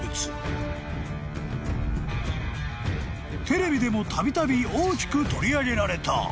［テレビでもたびたび大きく取り上げられた］